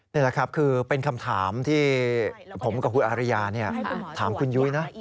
นี่แหละครับคือเป็นคำถามที่ผมกับคุณอาริยาถามคุณยุ้ยนะ